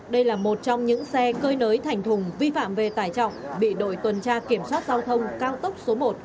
đây là một trong những xe cơi nới thành thùng vi phạm về tải trọng bị đội tuần tra kiểm soát giao thông cao tốc số một